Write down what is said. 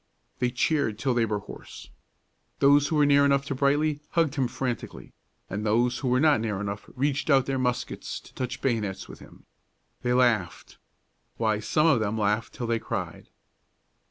They cheered till they were hoarse. Those who were near enough to Brightly hugged him frantically, and those who were not near enough reached out their muskets to touch bayonets with him. They laughed why, some of them laughed till they cried.